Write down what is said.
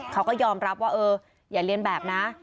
เขาก็ยอมรับว่าเอออย่าเรียนแบบนะ